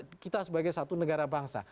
kita sebagai satu negara bangsa